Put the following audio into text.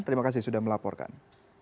terima kasih sudah melaporkan